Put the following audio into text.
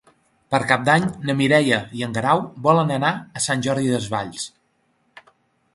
Per Cap d'Any na Mireia i en Guerau volen anar a Sant Jordi Desvalls.